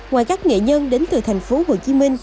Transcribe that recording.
ngoài các nghệ nhân đến từ tp hcm